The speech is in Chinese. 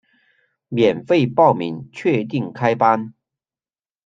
免费报名，确定开班